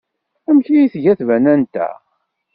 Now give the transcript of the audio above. Amek ay tga tbanant-a?